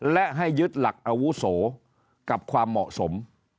และให้ยึดหลักอาวุโสกับความเหมาะสม